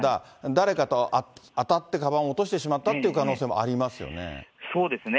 誰かと当たってかばんを落としてしまったという可能性もありますそうですね。